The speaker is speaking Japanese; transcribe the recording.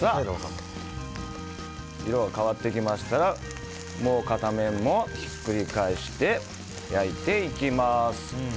色が変わってきましたらもう片面も、ひっくり返して焼いていきます。